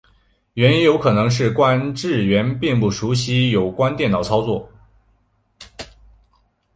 原因有可能是管制员并不熟习有关电脑操作。